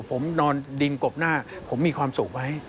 ผมนอนดินกบหน้าผมมีความสุขไหม